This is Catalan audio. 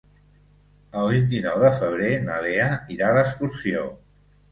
El vint-i-nou de febrer na Lea irà d'excursió.